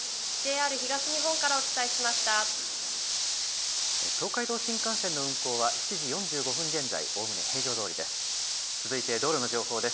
東海道新幹線の運行は、７時４５分現在、おおむね平常どおりです。